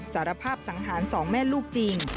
สารภาพสังหารสองแม่ลูกจริง